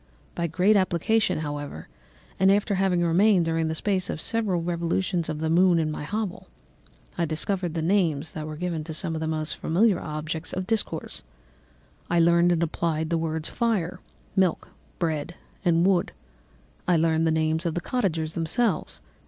By great application, however, and after having remained during the space of several revolutions of the moon in my hovel, I discovered the names that were given to some of the most familiar objects of discourse; I learned and applied the words, fire, milk, bread, and wood. I learned also the names of the cottagers themselves.